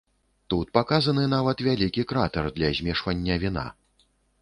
Тут паказаны нават вялікі кратар для змешвання віна.